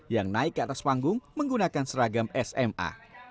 yang naik ke atas panggung menggunakan seragam sma